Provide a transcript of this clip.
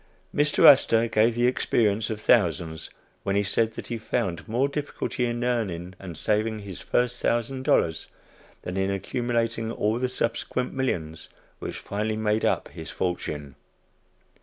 Mr. Astor gave the experience of thousands when he said that he found more difficulty in earning and saving his first thousand dollars than in accumulating all the subsequent millions which finally made up his fortune.